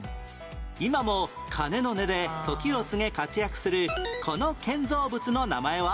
今も鐘の音で時を告げ活躍するこの建造物の名前は？